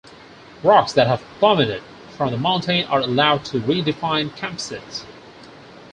Rocks that have plummeted from the mountain are allowed to redefine campsites.